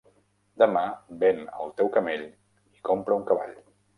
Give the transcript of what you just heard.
Demà, ven el teu camell i compra un cavall.